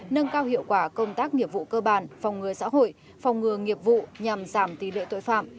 nâng cao hiệu quả công tác nghiệp vụ cơ bản phòng ngừa xã hội phòng ngừa nghiệp vụ nhằm giảm tỷ lệ tội phạm